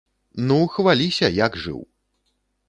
Ну, хваліся, як жыў?